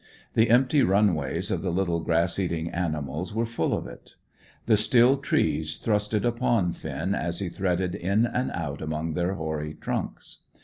The empty run ways of the little grass eating animals were full of it. The still trees thrust it upon Finn as he threaded in and out among their hoary trunks.